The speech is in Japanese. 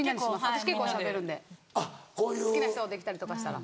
私結構しゃべるんで好きな人できたりとかしたら。